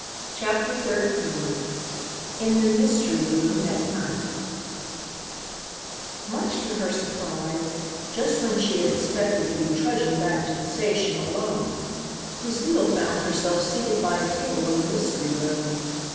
CHAPTER XIII IN THE MYSTERY ROOM AT NIGHT Much to her surprise, just when she had expected to be trudging back to the station alone, Lucile found herself seated by a table in the mystery room.